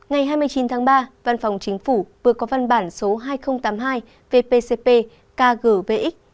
ngày hai mươi chín tháng ba văn phòng chính phủ vừa có văn bản số hai nghìn tám mươi hai vpcp kgvx